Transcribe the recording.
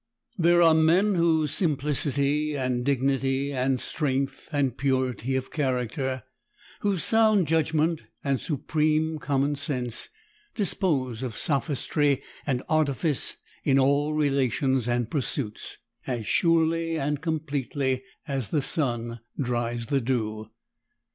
... There are men whose simplicity and dignity and strength and purity of character, whose sound judgment and supreme common sense, dispose of sophistry and artifice in all relations and pursuits, as surely and completely as the sun dries the dew.